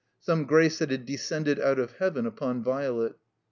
Some grace that had descended out of Heaven upon Violet.